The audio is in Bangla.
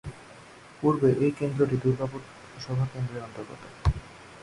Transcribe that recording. পূর্বে এই কেন্দ্রটি দুর্গাপুর লোকসভা কেন্দ্র এর অন্তর্গত।